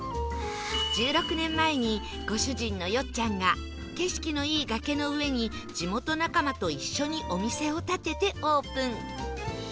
１６年前にご主人のよっちゃんが景色のいい崖の上に地元仲間と一緒にお店を建ててオープン